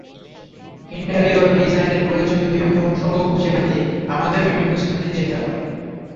Interior ডিজাইনের প্রয়োজনীয় বিভিন্ন অনুষঙ্গ খুঁজে পেতে আমাদের বিভিন্ন স্থানে যেতে হয়।